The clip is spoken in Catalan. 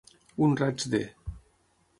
Un raig de.